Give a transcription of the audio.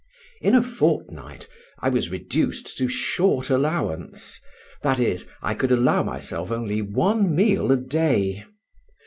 In a fortnight I was reduced to short allowance; that is, I could allow myself only one meal a day.